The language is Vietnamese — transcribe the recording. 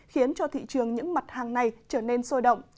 khiến cho thị trường những mặt hàng này trở nên sôi động